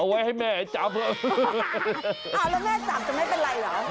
อ้าวแล้วแม่จับจะไม่เป็นไรเหรอ